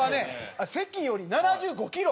あっ関より７５キロ？